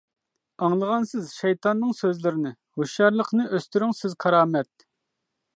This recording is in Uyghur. ئاڭلىغانسىز شەيتاننىڭ سۆزلىرىنى، ھوشيارلىقنى ئۆستۈرۈڭ سىز كارامەت.